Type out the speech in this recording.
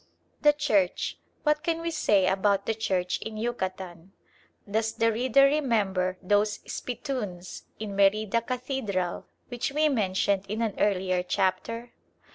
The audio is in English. The Church! What can we say about the Church in Yucatan? Does the reader remember those spittoons in Merida Cathedral which we mentioned in an earlier chapter?